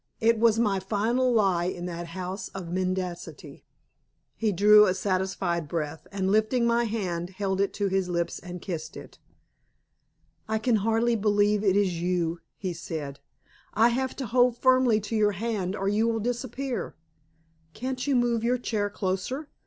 It was my final lie in that house of mendacity. He drew a satisfied breath, and lifting my hand, held it to his lips and kissed it. "I can hardly believe it is you," he said. "I have to hold firmly to your hand or you will disappear. Can't you move your chair closer?